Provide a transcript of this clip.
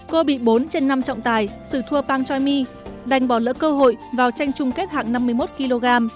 cô bị bốn trên năm trọng tài sự thua pang choi mi đành bỏ lỡ cơ hội vào tranh chung kết hạng năm mươi một kg